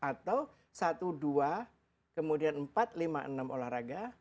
atau satu dua kemudian empat lima enam olahraga